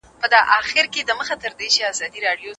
ښه صحبت باید کم نه سي.